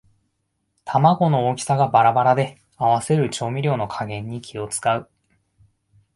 玉子の大きさがバラバラで合わせる調味料の加減に気をつかう